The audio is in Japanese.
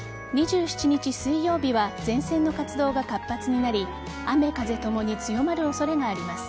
２７日水曜日は前線の活動が活発になり雨風ともに強まる恐れがあります。